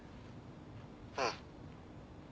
うん。